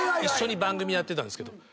一緒に番組やってたんですけど。